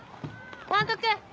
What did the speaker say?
監督！